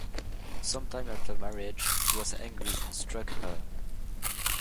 Some time after marriage, he was angry and struck her.